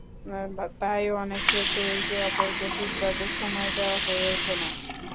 তাই অনেক ক্ষেত্রে একে অপরকে ঠিকভাবে সময় দেওয়া হয়ে ওঠে না।